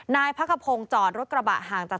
นายพักขพงศ์จอดรถกระบะห่างจาก